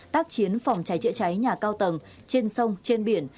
tác chiến phòng cháy chữa cháy nhà cao tầng trên sông trên biển